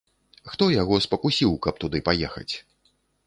Хто яго спакусіў, каб туды паехаць?